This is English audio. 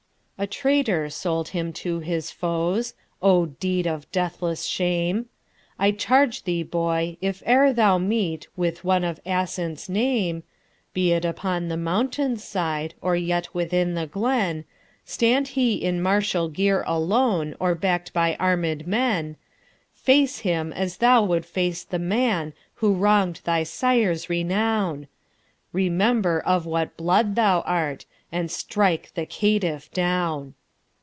A traitor sold him to his foes;O deed of deathless shame!I charge thee, boy, if e'er thou meetWith one of Assynt's name—Be it upon the mountain's side, Or yet within the glen, Stand he in martial gear alone, Or back'd by armed men—Face him, as thou wouldst face the manWho wrong'd thy sire's renown; Remember of what blood thou art, And strike the caitiff down!